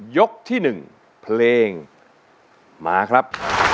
ยกที่๑เพลงมาครับ